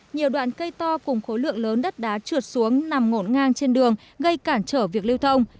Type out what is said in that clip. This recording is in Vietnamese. nhiều đoạn cây to cùng khối lượng lớn đất đá trượt xuống nằm ngộn ngang trên đường gây cản trở việc lưu thông